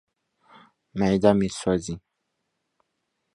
معده مې سوځي.